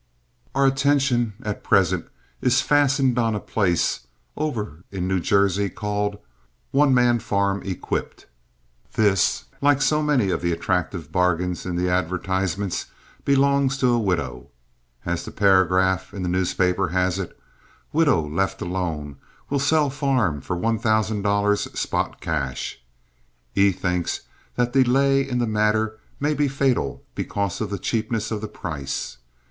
Our attention at present is fastened on a place over in New Jersey called One Man Farm Equipped. This, like so many of the attractive bargains in the advertisements, belongs to a widow. As the paragraph in the newspapers has it "Widow left alone will sell farm for $1,000 spot cash." E. thinks that delay in the matter may be fatal because of the cheapness of the price.